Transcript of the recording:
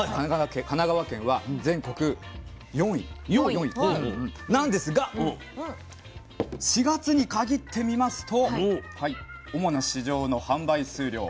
神奈川県は全国４位なんですが４月に限ってみますと主な市場の販売数量